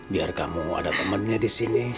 biar kamu ada temannya di sini